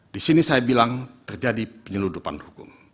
di sini saya bilang terjadi penyeludupan hukum